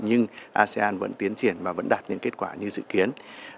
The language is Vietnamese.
nhưng asean vẫn tiến triển và vẫn đạt những kết quả như dự kiến